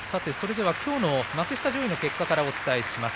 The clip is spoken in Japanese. ではきょうの幕下上位の結果からお伝えします。